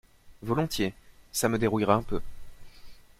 Volontiers, ça me dérouillera un peu.